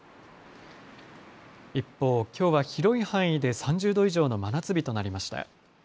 一方、きょうは広い範囲で３０度以上の真夏日となりました。